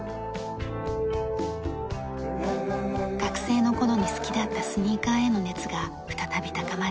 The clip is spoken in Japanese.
学生の頃に好きだったスニーカーへの熱が再び高まり